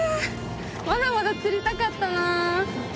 まだまだ釣りたかったな。